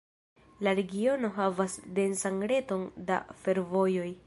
La regiono havas densan reton da fervojoj.